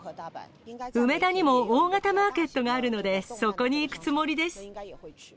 梅田にも大型マーケットがあるので、そこに行くつもりです。